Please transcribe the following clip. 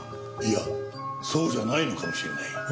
いやそうじゃないのかもしれない。